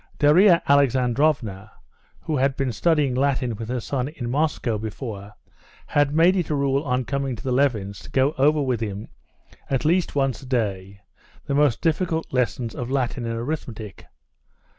Darya Alexandrovna, who had been studying Latin with her son in Moscow before, had made it a rule on coming to the Levins' to go over with him, at least once a day, the most difficult lessons of Latin and arithmetic.